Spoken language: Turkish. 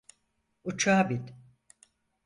Uçağa bin.